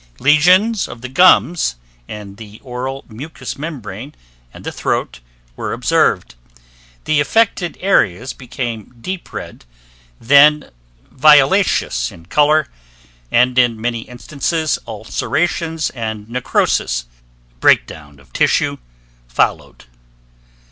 Lesions of the gums, and the oral mucous membrane, and the throat were observed. The affected areas became deep red, then violacious in color; and in many instances ulcerations and necrosis (breakdown of tissue) followed.